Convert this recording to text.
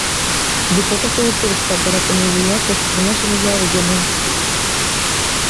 igikorwa cyo gukura ishwagara ku mibiri hakoreshejwe imashini zabigenewe